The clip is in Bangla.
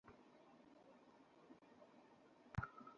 আমরা একই পক্ষের লোক।